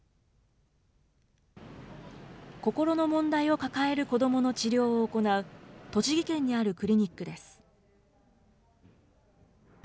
心の問題を抱える子どもの治療を行う、栃木県にあるクリニックです。